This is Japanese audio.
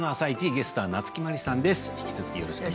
ゲストは夏木マリさんです。